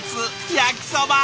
焼きそば！